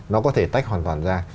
nó có thể tách hoàn toàn ra